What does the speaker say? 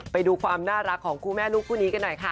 ไปดูความน่ารักของคู่แม่ลูกคู่นี้กันหน่อยค่ะ